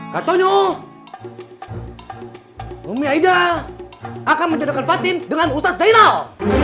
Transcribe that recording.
katanya rumi haidah akan menjadikan fatim dengan ustadz zainal